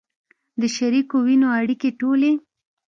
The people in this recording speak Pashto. د شریکو وینو اړیکې ټولې